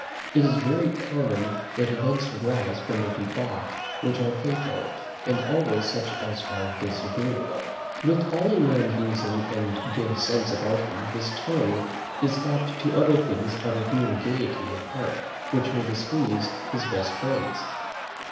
It is very common that events arise from a debauch which are fatal, and always such as are disagreeable. With all a man's reason and good sense about him, his tongue is apt to utter things out of mere gaiety of heart, which may displease his best friends.